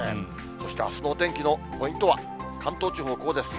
そしてあすのお天気のポイントは、関東地方、こうです。